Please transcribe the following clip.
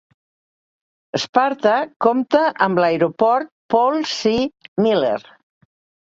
Sparta compta amb l'aeroport Paul C. Miller.